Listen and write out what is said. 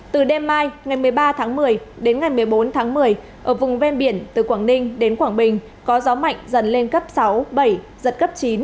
từ đêm mai ngày một mươi ba tháng một mươi đến ngày một mươi bốn tháng một mươi ở vùng ven biển từ quảng ninh đến quảng bình có gió mạnh dần lên cấp sáu bảy giật cấp chín